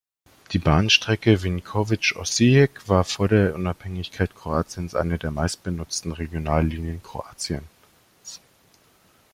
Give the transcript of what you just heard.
Die Bahnstrecke Vinkovci–Osijek war vor der Unabhängigkeit Kroatiens eine der meistbenutzten Regionallinien Kroatiens.